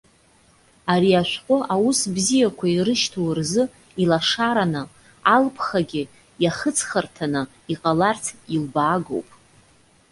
Ари ашәҟәы, аус бзиақәа ирышьҭоу рзы илашараны, алԥхагьы иахыҵхырҭаны иҟаларц илбаагоуп.